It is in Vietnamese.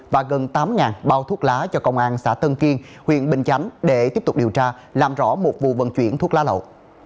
và gần tám bao thuốc lá cho công an xã tân kiên huyện bình chánh để tiếp tục điều tra làm rõ một vụ vận chuyển thuốc lá lậu